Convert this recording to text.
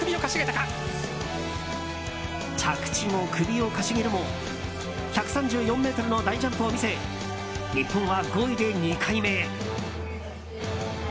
着地後、首をかしげるも１３４ｍの大ジャンプを見せ日本は５位で２回目へ。